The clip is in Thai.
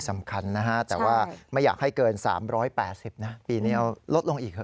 สำคัญนะฮะแต่ว่าไม่อยากให้เกิน๓๘๐นะปีนี้เอาลดลงอีกเถ